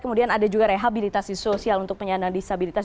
kemudian ada juga rehabilitasi sosial untuk penyandang disabilitas